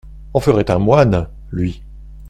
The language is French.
En ferait un moine, lui…